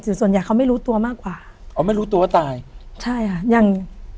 ส่วนใหญ่เขาไม่รู้ตัวมากกว่าอ๋อไม่รู้ตัวว่าตายใช่ค่ะอย่าง